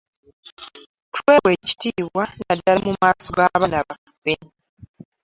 Twewe ekitiibwa naddala mu maaso gaabaana baffe.